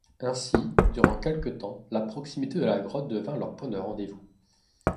Ainsi, durant quelque temps, la proximité de la grotte devint leur point de rendez-vous.